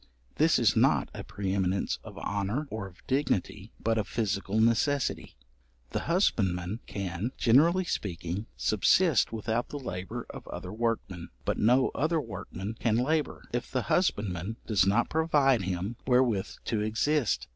This is not a pre eminence of honour or of dignity, but of physical necessity. The husbandman can, generally speaking, subsist without the labour of other workmen; but no other workmen can labour, if the husbandman does not provide him wherewith to exist.